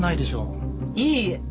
いいえ。